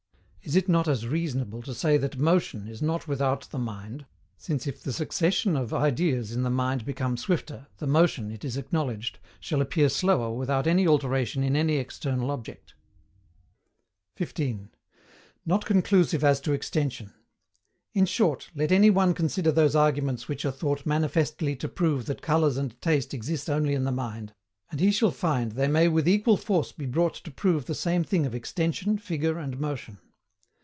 Is it not as reasonable to say that MOTION is not without the mind, since if the succession of ideas in the mind become swifter, the motion, it is acknowledged, shall appear slower without any alteration in any external object? 15. NOT CONCLUSIVE AS TO EXTENSION. In short, let any one consider those arguments which are thought manifestly to prove that colours and taste exist only in the mind, and he shall find they may with equal force be brought to prove the same thing of extension, figure, and motion.